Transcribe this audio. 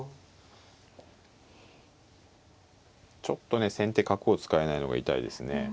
ちょっとね先手角を使えないのが痛いですね。